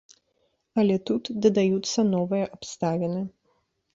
Але тут дадаюцца новыя абставіны.